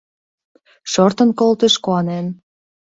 Шортын колтыш, куанен